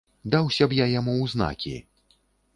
Даўся б я яму ў знакі!